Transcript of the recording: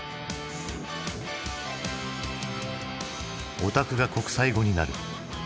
「オタク」が国際語になる。